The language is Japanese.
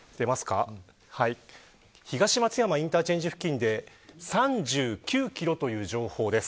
東松山インターチェンジ付近で３９キロという情報です。